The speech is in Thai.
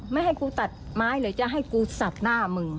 ไม่ให้กูตัดไม้หรือจะให้กูสับหน้ามึง